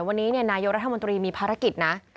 วันนี้นายกรัฐมนตรีมีภารกิจนะ